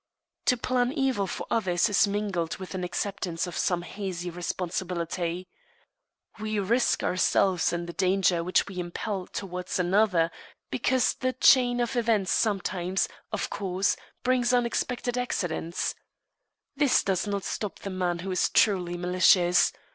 To plan evil for others is mingled with an acceptance of some hazy responsibility. We risk ourselves in the danger which we impel towards another, because the chain of events sometimes, of course, brings unexpected accidents. This does not stop the man who is truly malicious.